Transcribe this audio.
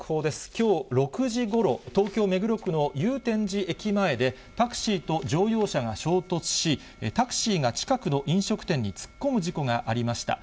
きょう６時ごろ、東京・目黒区の祐天寺駅前で、タクシーと乗用車が衝突し、タクシーが近くの飲食店に突っ込む事故がありました。